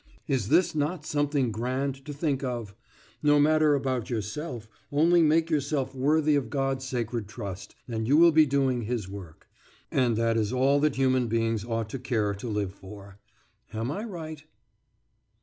Is this not something grand to think of? No matter about yourself only make yourself worthy of God's sacred trust, and you will be doing His work and that is all that human beings ought to care to live for. Am I right?